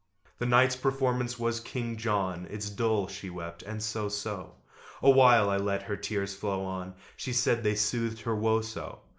The night's performance was "King John." "It's dull," she wept, "and so so!" A while I let her tears flow on, She said they soothed her woe so!